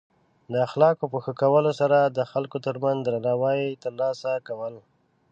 د اخلاقو په ښه کولو سره د خلکو ترمنځ درناوی ترلاسه کول.